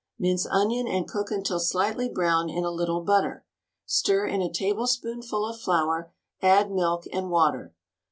Mince onion and cook until slightly brown in a little but ter. Stir in a tablespoonful of flour, add milk and water.